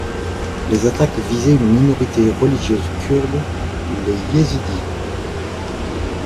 Les attaques visaient une minorité religieuse kurde, les Yézidis.